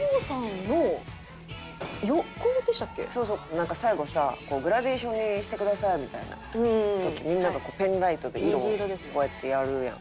なんか最後さグラデーションにしてくださいみたいな時みんながこうペンライトで色をこうやってやるやん。